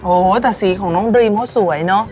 โอ้โหแต่สีของน้องดรีมเขาสวยเนอะ